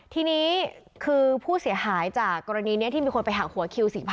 ทีนี้คือผู้เสียหายจากกรณีนี้ที่มีคนไปหักหัวคิว๔๐๐